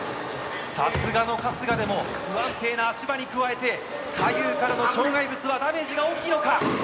さすがの春日でも不安定な足場に加えて、左右からの障害物はダメージが大きいのか。